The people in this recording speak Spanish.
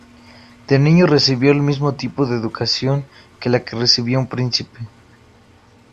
De niño recibió el mismo tipo de educación que la que recibía un príncipe.